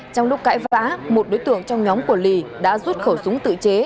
trong lúc cãi vã một đối tượng trong nhóm của lì đã rút khẩu súng tự chế